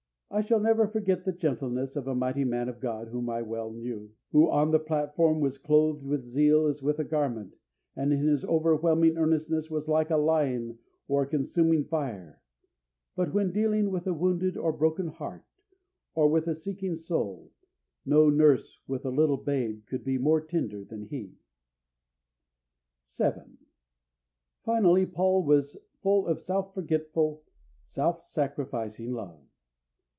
I shall never forget the gentleness of a mighty man of God whom I well knew, who on the platform was clothed with zeal as with a garment, and in his overwhelming earnestness was like a lion or a consuming fire; but when dealing with a wounded or broken heart, or with a seeking soul, no nurse with a little babe could be more tender than he. 7. Finally, Paul was full of _self forgetful, self sacrificing love.